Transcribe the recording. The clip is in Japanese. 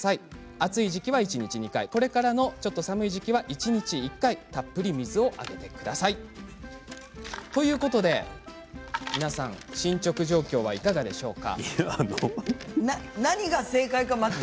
暑い時期は一日２回これからのちょっと寒い時期は一日１回たっぷり水をあげてください。ということで皆さん進捗状況は、いかがでしょうか。